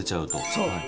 そう。